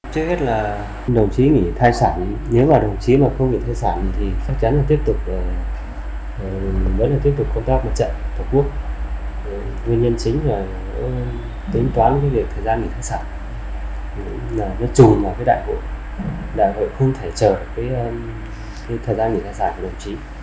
chị nẻo nói đại hội không thể chờ thời gian nghỉ thai sản của đồng chí